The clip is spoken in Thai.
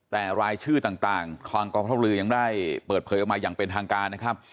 แต่รายชื่อต่างทางกองทัพเรือยังได้เปิดเผยออกมาอย่างเป็นทางการนะครับ